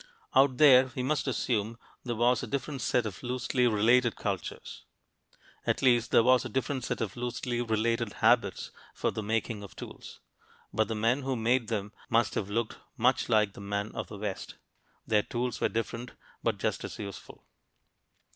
Out there, we must assume, there was a different set of loosely related cultures. At least, there was a different set of loosely related habits for the making of tools. But the men who made them must have looked much like the men of the West. Their tools were different, but just as useful.